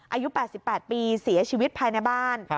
อายุ๘๘ปีเสียชีวิตภายในบ้าน